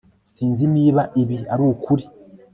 Sinzi niba ibi ari ukuri